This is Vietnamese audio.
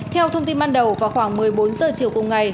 theo thông tin ban đầu vào khoảng một mươi bốn giờ chiều cùng ngày